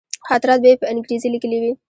خاطرات به یې په انګرېزي لیکلي وي.